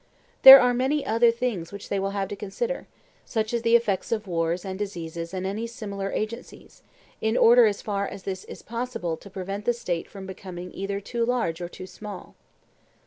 There are many other things which they will have to consider, such as the effects of wars and diseases and any similar agencies, in order as far as this is possible to prevent the State from becoming either too large or too small.